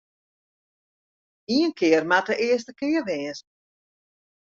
Ien kear moat de earste kear wêze.